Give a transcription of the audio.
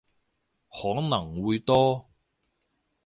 可能會多